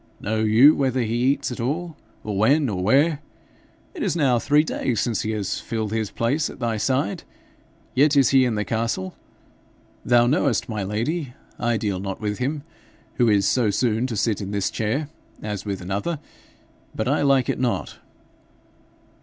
'Know you whether he eats at all, or when, or where? It is now three days since he has filled his place at thy side, yet is he in the castle. Thou knowest, my lady, I deal not with him, who is so soon to sit in this chair, as with another, but I like it not.